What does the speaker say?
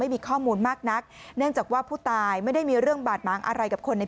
ไม่มีข้อมูลมากนักเนื่องจากว่าผู้ตายไม่ได้มีเรื่องบาดหมางอะไรกับคนใน